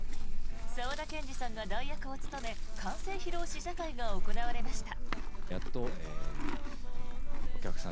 沢田研二さんが代役を務め完成披露試写会が行われました。